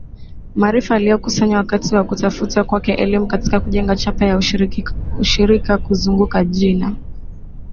maarifa aliyokusanya wakati wa kutafuta kwake elimu katika kujenga chapa ya ushirika kuzunguka jina